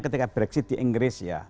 ketika brexit di inggris ya